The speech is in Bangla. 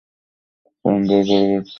কলম্বোয় পরবর্তী টেস্টে অংশ নেন।